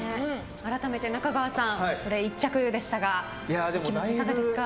改めて中川さん、１着でしたがお気持ちいかがですか。